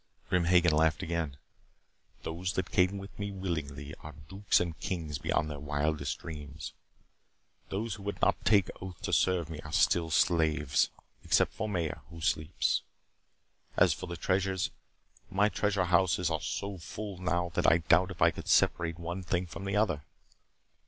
Grim Hagen laughed again. "Those that came with me willingly are dukes and kings beyond their wildest dreams. Those who would not take oath to serve me are still slaves. Except for Maya, who sleeps. As for the treasures, my treasure houses are so full now that I doubt if I could separate one thing from the other.